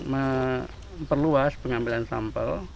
memperluas pengambilan sampel